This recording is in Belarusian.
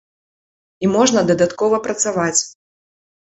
І можна дадаткова працаваць.